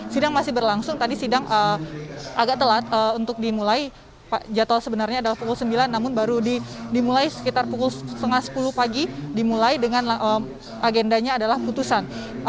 sidang masih berlangsung tadi sidang agak telat untuk dimulai jadwal sebenarnya adalah pukul sembilan namun baru dimulai sekitar pukul setengah sepuluh pagi dimulai dengan agendanya adalah putusan